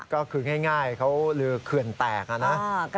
ก็คือง่ายเขาลือเขื่อนแตกนะ